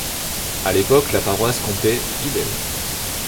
À l'époque, la paroisse comptait fidèles.